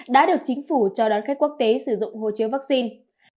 đã được chính phủ cho đón khách quốc tế sử dụng hộ chiếu vaccine